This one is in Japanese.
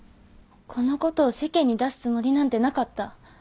このことを世間に出すつもりなんてなかった。